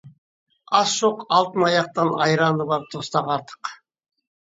Асы жоқ алтын аяқтан айраны бар тостақ артық.